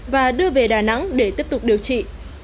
và đưa về đà nẵng để tiếp tục điều trị